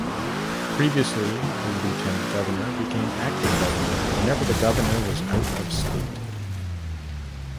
Previously, the Lieutenant Governor became acting Governor whenever the Governor was out of state.